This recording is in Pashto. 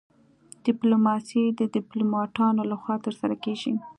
ډیپلوماسي د ډیپلوماتانو لخوا ترسره کیږي